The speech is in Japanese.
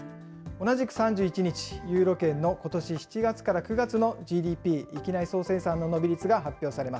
同じく３１日、ユーロ圏のことし７月から９月のＧＤＰ・域内総生産の伸び率が発